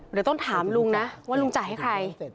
เดี๋ยวต้องถามลุงนะว่าลุงจ่ายให้ใคร